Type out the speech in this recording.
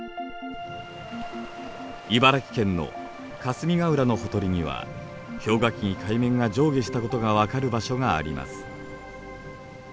茨城県の霞ヶ浦のほとりには氷河期に海面が上下したことが分かる場所があります。